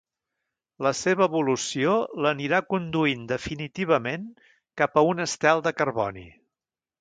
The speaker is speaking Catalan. La seva evolució l'anirà conduint definitivament cap a un estel de carboni.